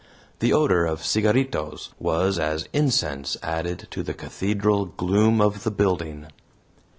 The odor of CIGARRITOS was as incense added to the cathedral gloom of the building.